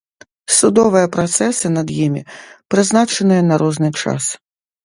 Судовыя працэсы над імі прызначаныя на розны час.